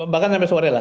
bahkan sampai sore lah